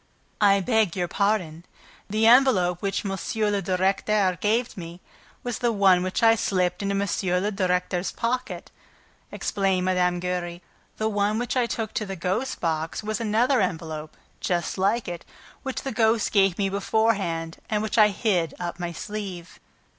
"I beg your pardon. The envelope which M. le Directeur gave me was the one which I slipped into M. le Directeur's pocket," explained Mme. Giry. "The one which I took to the ghost's box was another envelope, just like it, which the ghost gave me beforehand and which I hid up my sleeve."